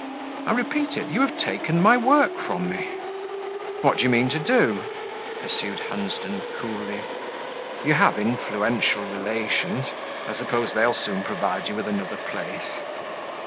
I repeat it, you have taken my work from me." "What do you mean to do?" pursued Hunsden coolly. "You have influential relations; I suppose they'll soon provide you with another place."